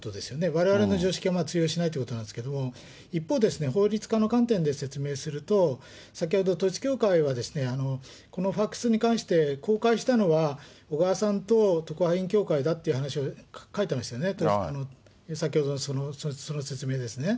われわれの常識は通用しないということなんですけれども、一方、法律家の観点で説明すると、先ほど統一教会は、このファックスに関して公開したのは、小川さんと特派員協会だという話を書いてましたよね、先ほどの、その説明ですね。